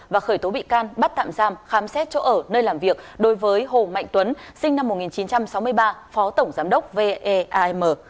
và khởi tố bị can bắt tạm giam khám xét chỗ ở nơi làm việc đối với hồ mạnh tuấn sinh năm một nghìn chín trăm sáu mươi ba phó tổng giám đốc veam